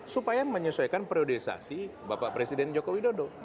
supaya menyesuaikan priorisasi bapak presiden joko widodo